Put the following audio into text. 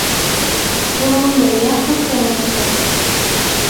Tsùu nû ya kɨ tsəʼəsə!